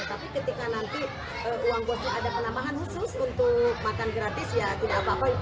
tapi ketika nanti uang bosnya ada penambahan khusus untuk makan gratis ya tidak apa apa